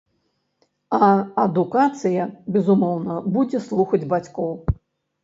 А адукацыя, безумоўна, будзе слухаць бацькоў.